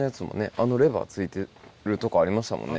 あのレバー付いてるとこありましたもんね。